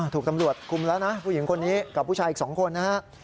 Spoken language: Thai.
ถูกตำรวจคุมแล้วนะผู้หญิงคนนี้กับผู้ชายอีก๒คนนะฮะ